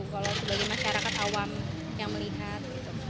kalau sebagai masyarakat awam yang melihat